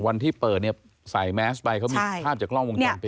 วันที่เปิดเนี่ยใส่แม็กซ์ไปเขามีภาพจะกล้องวงจังไป